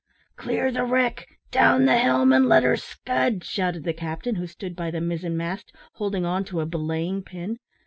"Clear the wreck down the helm, and let her scud," shouted the captain, who stood by the mizzen mast, holding on to a belaying pin.